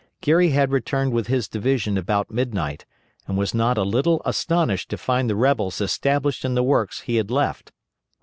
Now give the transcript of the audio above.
Geary had returned with his division about midnight, and was not a little astonished to find the rebels established in the works he had left.